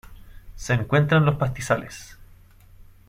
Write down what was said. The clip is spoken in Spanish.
Se encuentra en los pastizales.